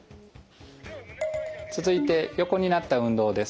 続いて横になった運動です。